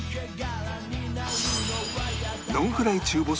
ノンフライ中細